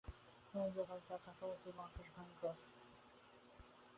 তার থাকা উচিত, মহাকাশ ভয়ঙ্কর।